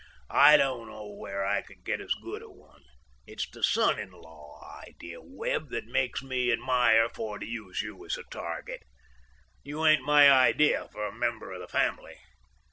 I don't know where I could get as good a one. It's the son in law idea, Webb, that makes me admire for to use you as a target. You ain't my idea for a member of the family.